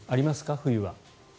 冬は。